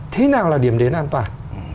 thế nào là điểm đến an toàn